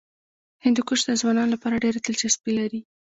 هندوکش د ځوانانو لپاره ډېره دلچسپي لري.